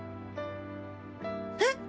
えっ！